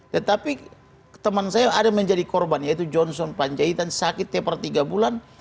tetapi teman saya ada menjadi korban yaitu johnson panjaitan sakit teper tiga bulan